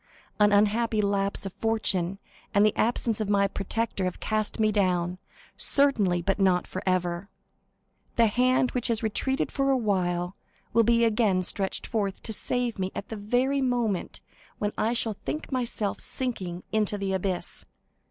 An unhappy lapse of fortune and the absence of my protector have cast me down, certainly, but not forever. The hand which has retreated for a while will be again stretched forth to save me at the very moment when I shall think myself sinking into the abyss.